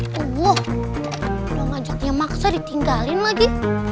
wah udah ngajaknya maksa ditinggalin lagi